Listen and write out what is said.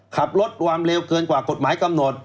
ขับรถความเร็วเกินกว่ากฎหมายกำหนด